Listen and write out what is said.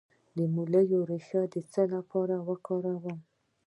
د مولی ریښه د څه لپاره وکاروم؟